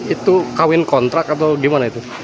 itu kawin kontrak atau gimana itu